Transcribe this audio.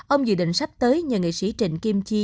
ông dự định sắp tới nhờ nghệ sĩ trịnh kim chi